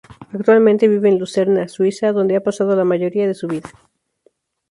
Actualmente vive en Lucerna, Suiza, donde ha pasado la mayoría de su vida.